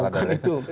iya bukan itu